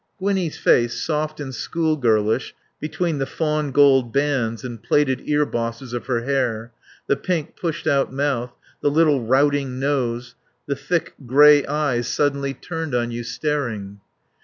Gwinnie's face, soft and schoolgirlish between the fawn gold bands and plaited ear bosses of her hair, the pink, pushed out mouth, the little routing nose, the thick grey eyes, suddenly turned on you, staring.